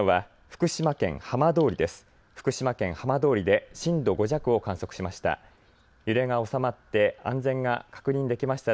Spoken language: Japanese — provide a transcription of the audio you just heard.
福島県浜通りで震度５弱を観測しました。